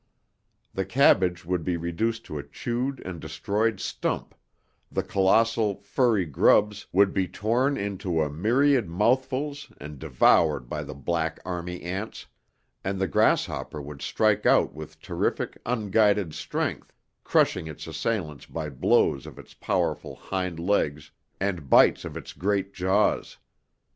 The cabbage would be reduced to a chewed and destroyed stump, the colossal, furry grubs would be torn into a myriad mouthfuls and devoured by the black army ants, and the grasshopper would strike out with terrific, unguided strength, crushing its assailants by blows of its powerful hind legs and bites of its great jaws.